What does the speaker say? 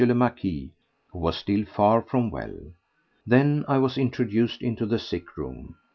le Marquis, who was still far from well. Then I was introduced into the sick room.